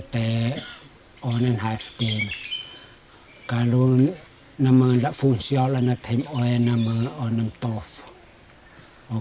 keduanya tidak terpisahkan dari cati diri mereka sebagai orang dawan